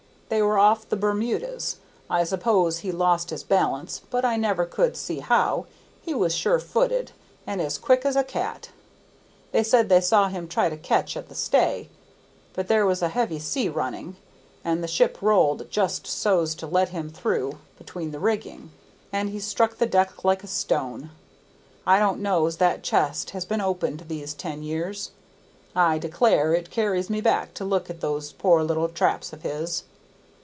They were off the Bermudas. I suppose he lost his balance, but I never could see how; he was sure footed, and as quick as a cat. They said they saw him try to catch at the stay, but there was a heavy sea running, and the ship rolled just so's to let him through between the rigging, and he struck the deck like a stone. I don't know's that chest has been opened these ten years, I declare it carries me back to look at those poor little traps of his.